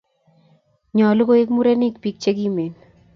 nyoluu koek murenik biik chekimen